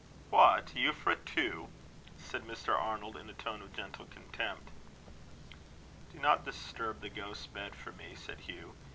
"What! Euphra too?" said Mr. Arnold, in a tone of gentle contempt. "Do not disturb the ghost's bed for me," said Hugh.